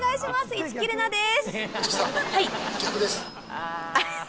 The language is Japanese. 市來玲奈です！